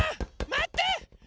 まって！